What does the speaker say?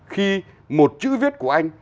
khi một chữ viết của anh